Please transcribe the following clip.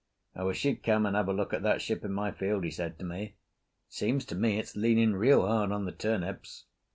"I wish you'd come and have a look at that ship in my field," he said to me; "it seems to me it's leaning real hard on the turnips.